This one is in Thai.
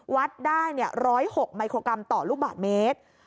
วัดได้๑๐๖มิโครกรัมต่อลูกบาทเมตร